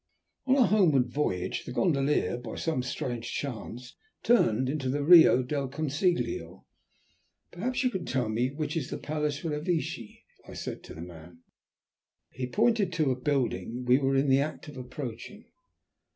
On our homeward voyage the gondolier, by some strange chance, turned into the Rio del Consiglio. "Perhaps you can tell me which is the Palace Revecce?" I said to the man. He pointed to a building we were in the act of approaching.